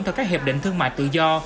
theo các hiệp định thương mại tự do